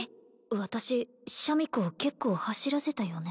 私シャミ子を結構走らせたよね？